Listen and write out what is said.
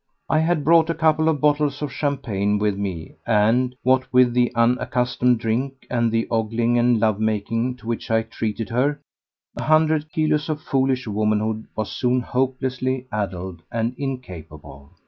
I had brought a couple of bottles of champagne with me and, what with the unaccustomed drink and the ogling and love making to which I treated her, a hundred kilos of foolish womanhood was soon hopelessly addled and incapable.